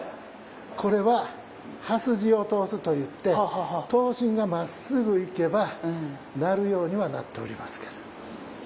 これは刃筋を通すと言って刀身がまっすぐ行けば鳴るようにはなっておりますけれども。